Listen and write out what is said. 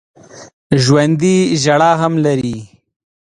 ژوندي ژړا هم لري